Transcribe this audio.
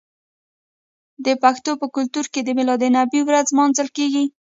د پښتنو په کلتور کې د میلاد النبي ورځ لمانځل کیږي.